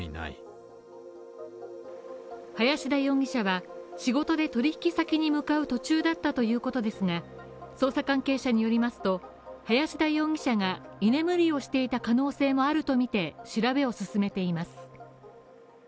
林田容疑者は仕事で取引先に向かう途中だったということですが捜査関係者によりますと、林田容疑者が居眠りをしていた可能性もあるとみて調べを進めています。